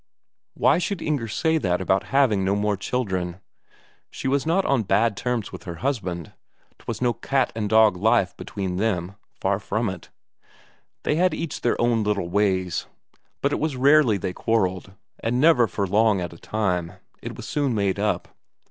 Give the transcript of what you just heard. Why should Inger say that about having no more children? She was not on bad terms with her husband, 'twas no cat and dog life between them far from it. They had each their own little ways, but it was rarely they quarrelled, and never for long at a time; it was soon made up.